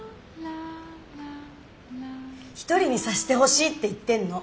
一人にさせてほしいって言ってんの！